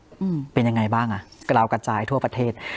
อืมเป็นยังไงบ้างอ่ะกระลาวกระจายทั่วประเทศ